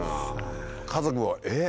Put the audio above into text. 家族は「え？